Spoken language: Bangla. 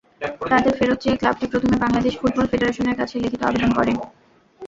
তাঁদের ফেরত চেয়ে ক্লাবটি প্রথমে বাংলাদেশ ফুটবল ফেডারেশনের কাছে লিখিত আবেদন করে।